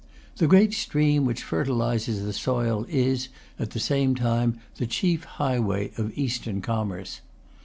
The great stream which fertilises the soil is, at the same time, the chief highway of Eastern commerce.